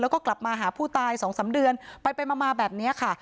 แล้วก็กลับมาหาผู้ตาย๒๓เดือนไปมาแบบนี้ค่ะ